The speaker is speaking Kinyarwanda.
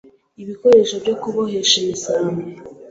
ibikoresho byo kubohesha imisambi